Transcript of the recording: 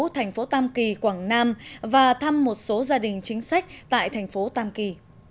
thành phố tam kỳ quảng nam và thăm một số gia đình chính sách tại thành phố tam kỳ